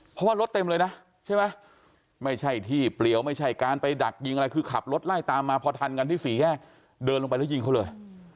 เพราะว่ารถเต็มเลยนะใช่ไหมไม่ใช่ที่เปลี่ยวไม่ใช่การไปดักยิงอะไรคือขับรถไล่ตามมาพอทันกันที่สี่แยกเดินลงไปแล้วยิงเขาเลย